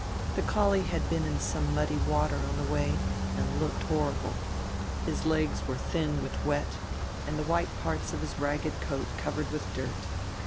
The collie had been in some muddy water on the way, and looked horrible. His legs were thin with wet, and the white parts of his ragged coat covered with dirt.